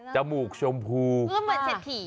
จมูกชมพูเหมือนเศษผี